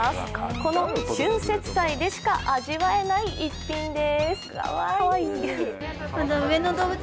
この春節祭でしか味わえない１品です。